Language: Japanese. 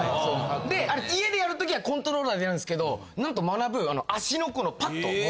で家でやるときはコントローラーでやるんですけどなんとまなぶ足のパット。